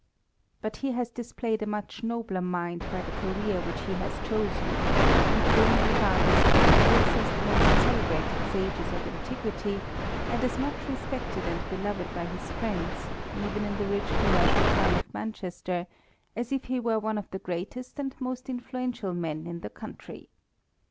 But he has displayed a much nohler mind by the career which he has chosen — equally regard less of riches as the most celebrated sages of an tiquity, and as much respected and beloved by his friends, even in the rich commercial town of Man chester, as if he were one of the greatest and most influential men in the country.